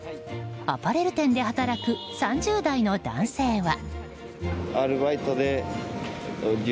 アパレル店で働く３０代の男性は。